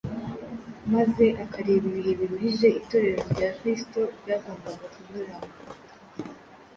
maze akareba ibihe biruhije itorero rya kristo ryagombaga kunyuramo